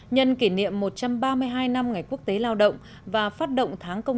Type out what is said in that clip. nhân kỷ niệm một trăm ba mươi hai năm ngày quốc tế lao động và phát động tháng công